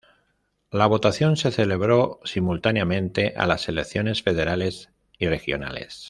La votación se celebró simultáneamente a las elecciones federales y regionales.